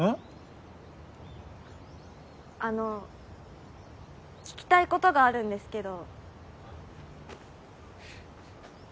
あの聞きたいことがあるんですけど。